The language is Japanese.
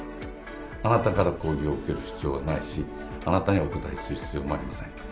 あなたから抗議を受ける必要はないしあなたにお答えする必要もありません。